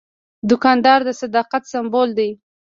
دوکاندار د صداقت سمبول دی.